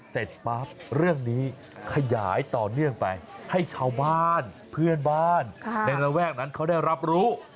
เสร็จปั๊บเรื่องนี้ขยายต่อเนื่องไปให้ชาวบ้านเพื่อนบ้านในระแวกนั้นเขาได้รับรู้